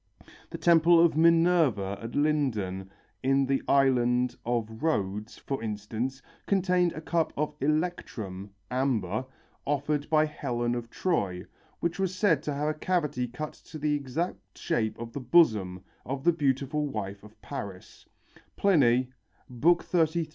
The temple of Minerva at Lyndon in the island of Rhodes, for instance, contained a cup of electrum (amber) offered by Helen of Troy, which was said to have a cavity cut to the exact shape of the bosom of the beautiful wife of Paris (Pliny, XXXIII, 23).